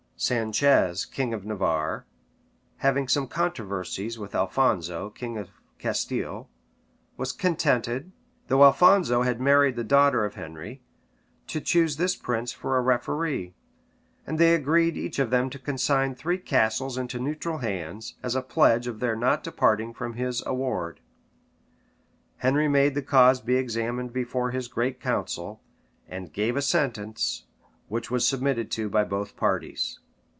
Sanchez, king of Navarre, having some controversies with Alphonso, king of Castile, was contented, though Alphonso had married the daughter of Henry, to choose this prince for a referee; and they agreed each of them to consign three castles into neutral hands, as a pledge of their not departing from his award. Henry made the cause be examined before his great council, and gave a sentence, which was submitted to by both parties.